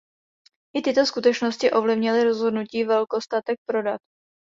I tyto skutečnosti ovlivnily rozhodnutí velkostatek prodat.